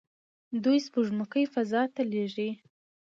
دوی سپوږمکۍ فضا ته لیږي.